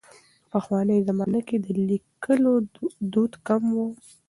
پخوانۍ زمانه کې د لیکلو دود کم و.